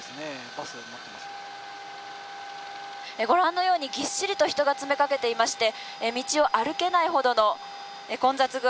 ご覧のようにぎっしりと人が詰め掛けていまして道を歩けないほどの混雑具合です。